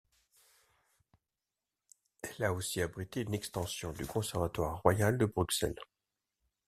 Elle a aussi abrité une extension du Conservatoire royal de Bruxelles.